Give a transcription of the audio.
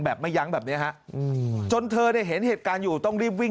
ไม่ยั้งแบบนี้ฮะจนเธอเนี่ยเห็นเหตุการณ์อยู่ต้องรีบวิ่ง